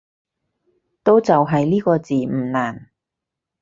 都就係呢個字唔難